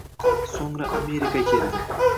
So‘ngra Amerika keldi.